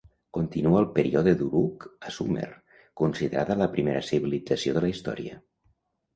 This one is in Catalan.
Continua el Període d'Uruk a Sumer, considerada la primera civilització de la història.